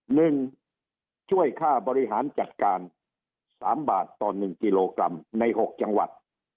หนึ่งช่วยค่าบริหารจัดการสามบาทต่อหนึ่งกิโลกรัมในหกจังหวัด